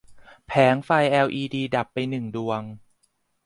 แผงไฟแอลอีดีดับไปหนึ่งดวง